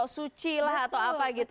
suci lah atau apa gitu